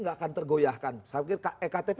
nggak akan tergoyahkan saya pikir ektp